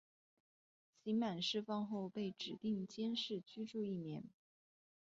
刑满释放后被指定监视居住一年。